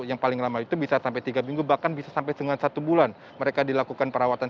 yang paling lama itu bisa sampai tiga minggu bahkan bisa sampai dengan satu bulan mereka dilakukan perawatan